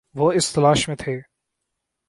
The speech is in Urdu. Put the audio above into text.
وہ اس تلاش میں تھے